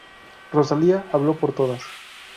Rosalía habló por todas.